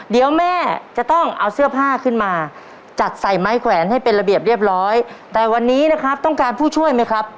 เดี๋ยวแม่จะต้องเอาเสื้อผ้าขึ้นมาจัดใส่ไม้แขวนให้เป็นระเบียบเรียบร้อยแต่วันนี้นะครับต้องการผู้ช่วยไหมครับ